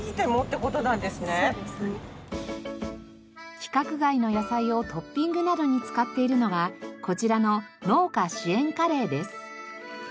規格外の野菜をトッピングなどに使っているのがこちらの農家支援カレーです。